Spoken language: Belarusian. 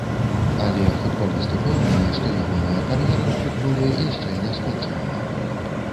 Але футбаліст упэўнены, што ягоная кар'ера ў футболе яшчэ не скончаная.